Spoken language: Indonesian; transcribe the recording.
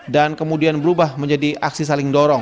dan kemudian berubah menjadi aksi saling dorong